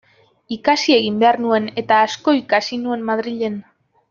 Ikasi egin behar nuen, eta asko ikasi nuen Madrilen.